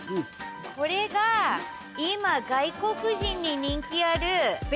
これが今外国人に人気ある。